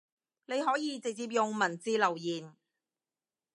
你可以直接用文字留言